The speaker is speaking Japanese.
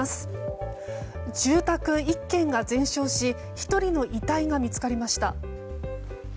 住宅１軒が全焼し１人の遺体が見つかりました。